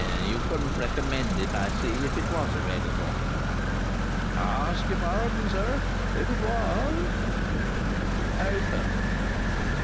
"You couldn't recommend it, I see, if it was available?" "Ask your pardon, sir. If it was—?" "Open?"